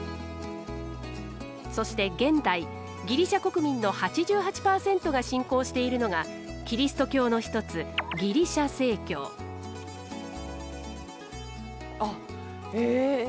そして現代ギリシャ国民の８８％が信仰しているのがキリスト教の一つあっへえ。